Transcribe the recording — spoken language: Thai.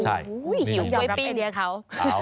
หิวยอมรับไอเดียเขา